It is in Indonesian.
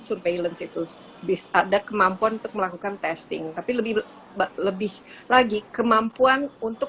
surveillance itu bis ada kemampuan untuk melakukan testing tapi lebih lebih lagi kemampuan untuk